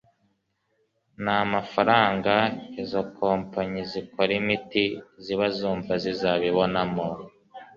nta mafaranga izo kompanyi zikora imiti ziba zumva zizabibonamo.